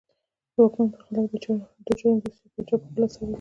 د واکمن پر خلاف د جرم دوسیه پاچا پخپله څارله.